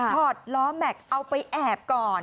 อดล้อแม็กซ์เอาไปแอบก่อน